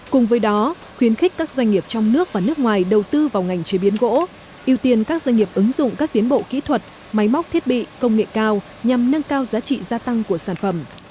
cùng với đó khuyến khích các doanh nghiệp trong nước và nước ngoài đầu tư vào ngành chế biến gỗ ưu tiên các doanh nghiệp ứng dụng các tiến bộ kỹ thuật máy móc thiết bị công nghệ cao nhằm nâng cao giá trị gia tăng của sản phẩm